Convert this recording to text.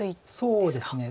そうですね。